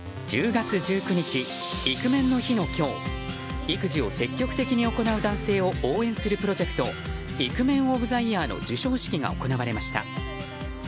１０月１９日イクメンの日の今日育児を積極的に行う男性を応援するプロジェクトイクメンオブザイヤーの授賞式が行われました。